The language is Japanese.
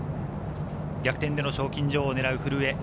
逆転で賞金女王を狙う古江。